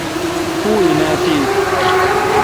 پو این اؘ تی۔